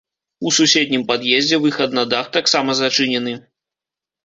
У суседнім пад'ездзе выхад на дах таксама зачынены.